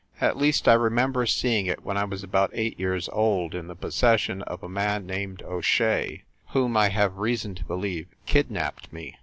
"At least, I remember seeing it when I was about eight years old, in the possession of a man named O Shea, whom, I have reason to believe, kidnapped me.